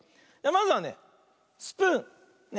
まずはね「スプーン」。ね。